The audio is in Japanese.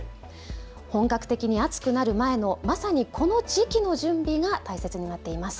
本格的に暑くなる前のまさにこの時期の準備が大切になっています。